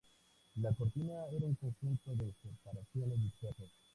La Cortina era un conjunto de separaciones dispersas.